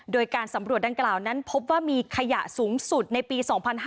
โดยการสำรวจดังกล่าวนั้นพบว่ามีขยะสูงสุดในปี๒๕๕๙